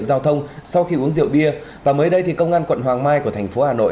giao thông sau khi uống rượu bia và mới đây thì công an quận hoàng mai của thành phố hà nội